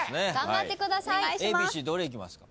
ＡＢＣどれいきますか？